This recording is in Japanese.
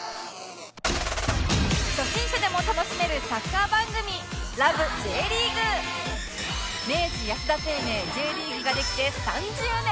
初心者でも楽しめるサッカー番組明治安田生命 Ｊ リーグができて３０年！